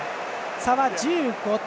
差は１５点。